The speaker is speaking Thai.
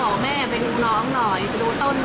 ผมเลยโทรไปหาลูกว่าต้นเป็นอะไร